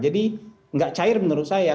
jadi nggak cair menurut saya